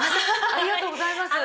ありがとうございます。